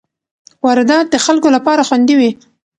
واردات د خلکو لپاره خوندي وي.